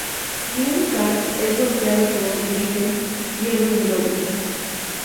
Si un kart es golpeado por un ítem, pierde un globo.